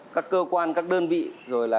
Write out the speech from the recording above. các cơ quan các đơn vị rồi là